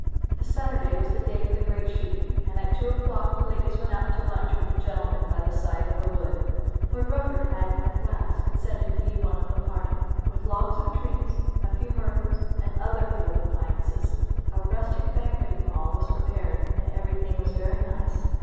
The Saturday was the day of the great shooting and at two o'clock the ladies went out to lunch with the gentlemen by the side of the wood. Lord Rufford had at last consented to be one of the party. With logs of trees, a few hurdles, and other field appliances, a rustic banqueting hall was prepared and everything was very nice.